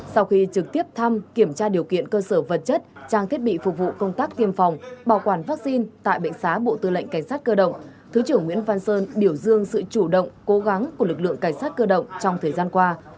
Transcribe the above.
sau khi trực tiếp thăm kiểm tra điều kiện cơ sở vật chất trang thiết bị phục vụ công tác tiêm phòng bảo quản vaccine tại bệnh xá bộ tư lệnh cảnh sát cơ động thứ trưởng nguyễn văn sơn biểu dương sự chủ động cố gắng của lực lượng cảnh sát cơ động trong thời gian qua